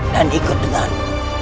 dan ikut denganmu